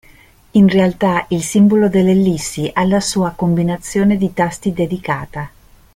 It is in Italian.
In realtà il simbolo dell'ellissi ha la sua combinazione di tasti dedicata.